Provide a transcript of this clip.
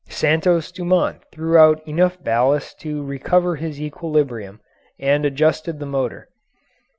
Santos Dumont threw out enough ballast to recover his equilibrium and adjusted the motor.